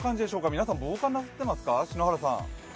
皆さん、防寒なさってますか？